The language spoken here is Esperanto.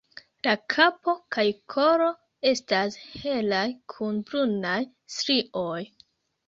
La kapo kaj kolo estas helaj kun brunaj strioj.